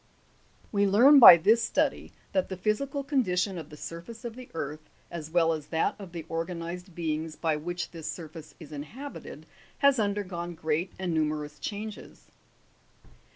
5. We learn by this study that the physical condition of the surface of the earth, as well as that of the organized beings by which this surface is inhabited, has undergone great and nume rous changes.